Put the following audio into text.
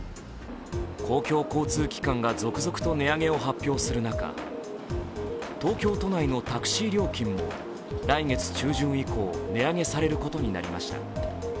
公共交通機関が続々と値上げを発表する中、東京都内のタクシー料金も来月中旬以降、値上げされることになりました。